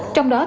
trong đó là